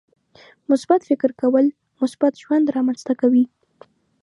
• مثبت فکر کول، مثبت ژوند رامنځته کوي.